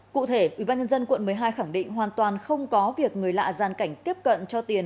cụ thể ủy ban nhân dân quận một mươi hai khẳng định hoàn toàn không có việc người lạ gian cảnh tiếp cận cho tiền